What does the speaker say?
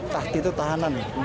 tahti itu tahanan